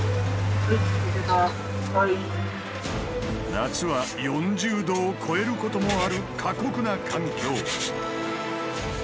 夏は４０度を超えることもある過酷な環境。